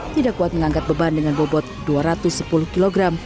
tidak kuat mengangkat beban dengan bobot dua ratus sepuluh kg